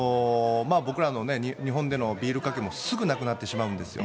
僕らの日本でのビールかけもすぐなくなってしまうんですよ。